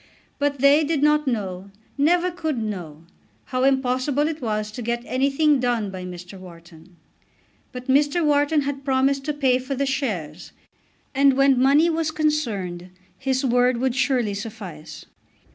But they did not know, never could know, how impossible it was to get anything done by Mr. Wharton. But Mr. Wharton had promised to pay for the shares, and when money was concerned his word would surely suffice.